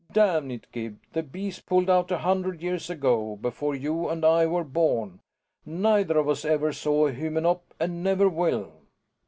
Damn it, Gib, the Bees pulled out a hundred years ago, before you and I were born neither of us ever saw a Hymenop, and never will!"